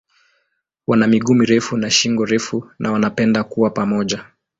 Wana miguu mirefu na shingo refu na wanapenda kuwa pamoja.